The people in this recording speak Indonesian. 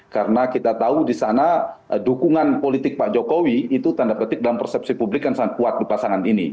karena kita tahu disana dukungan politik pak jokowi itu tanda petik dalam persepsi publik yang sangat kuat di pasangan ini